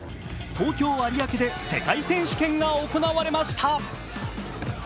東京・有明で世界選手権が行われました。